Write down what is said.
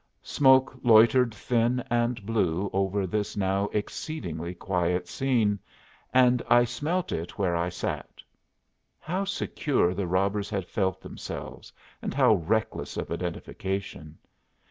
Smoke loitered thin and blue over this now exceedingly quiet scene, and I smelt it where I sat. How secure the robbers had felt themselves, and how reckless of identification!